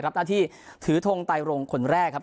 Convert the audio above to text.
รับหน้าที่ถือทงไตรงคนแรกครับ